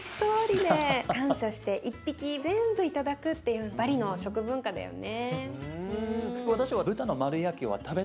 感謝して一匹全部頂くっていうバリの食文化だよね。